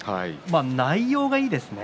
内容がいいですね。